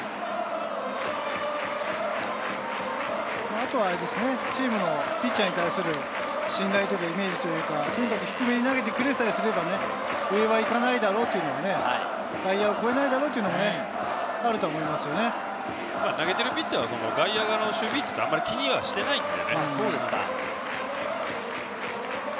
あとは、あれですね、チームのピッチャーに対する信頼というかイメージというか、とにかく低めに投げてくれさえすれば上はいかないだろうっていう、外野を越えないないだろうっていうのは投げているピッチャーは外野側の守備位置はあんまり気にしていないんですけどね。